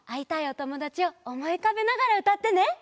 おともだちをおもいうかべながらうたってね！